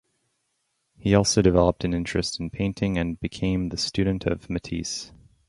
He also developed an interest in painting and became the student of Matisse.